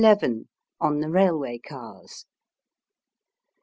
ON THE RAILWAY CARS.